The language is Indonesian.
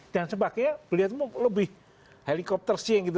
dan sebabnya beliau itu lebih helikopter siang gitu